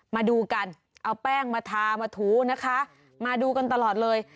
มาดูกันเอาแป้งมาทามาถูนะคะมาดูกันตลอดเลย